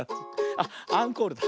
あっアンコールだ。